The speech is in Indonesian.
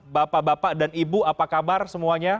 bapak bapak dan ibu apa kabar semuanya